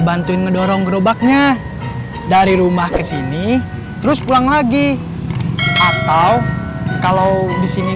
bantuin mendorong gerobaknya dari rumah ke sini terus pulang lagi atau kalau disini